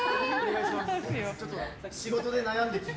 ちょっと仕事で悩んでて。